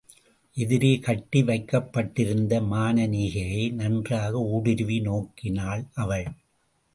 எதிரே கட்டி வைக்கப்பட்டிருந்த மானனீகையை நன்றாக ஊடுருவி நோக்கினாள் அவள்.